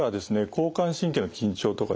交感神経の緊張とかですね